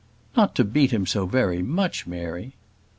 "Not to beat him so very much, Mary!"